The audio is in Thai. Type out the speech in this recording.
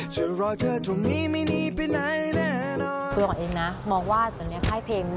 คุณออกเองนะมองว่าตอนนี้ภายเพลง